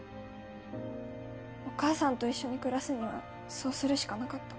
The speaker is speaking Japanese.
お母さんと一緒に暮らすにはそうするしかなかった。